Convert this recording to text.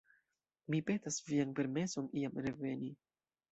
Mi petas vian permeson iam reveni.